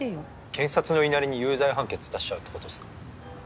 検察の言いなりに有罪判決出しちゃうってことっすか？